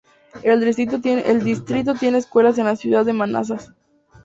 El distrito tiene escuelas en la Ciudad de Manassas.